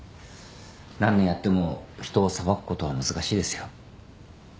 何年やっても人を裁くことは難しいですよ。